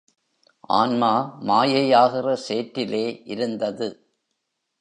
ஆன்மா மாயையாகிற சேற்றிலே இருந்தது.